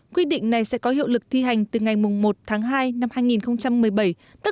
quy định này sẽ có hiệu lực thi hành từ ngày một hai hai nghìn một mươi bảy tức mùng năm tết nguyên đán linh dậu